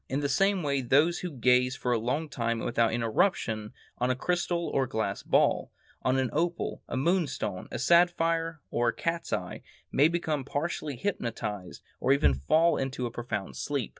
In the same way those who gaze for a long time and without interruption on a crystal or glass ball, on an opal, a moonstone, a sapphire, or a cat's eye, may become partially hypnotized or even fall into a profound sleep.